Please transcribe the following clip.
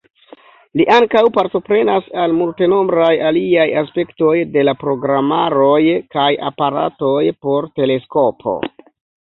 Li ankaŭ partoprenas al multenombraj aliaj aspektoj de la programaroj kaj aparatoj por teleskopo.